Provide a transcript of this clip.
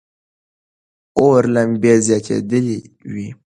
اور لمبې زیاتېدلې وې.